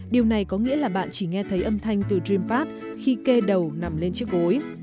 điều này có nghĩa là bạn chỉ nghe thấy âm thanh từ dreampad khi kê đầu nằm lên chiếc gối